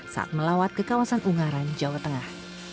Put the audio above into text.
saat melawat ke kawasan ungaran jawa tengah